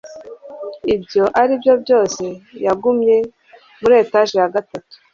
ibyo aribyo byose yagumye muri etage ya gatatu